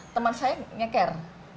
teman saya ngeker